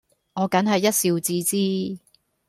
我梗係一笑置之